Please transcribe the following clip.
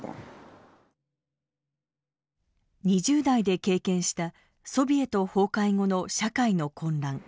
２０代で経験したソビエト崩壊後の社会の混乱。